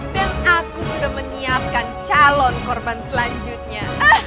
aku sudah menyiapkan calon korban selanjutnya